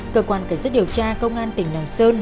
cơ quan cảnh sát điều tra công an tỉnh lạng sơn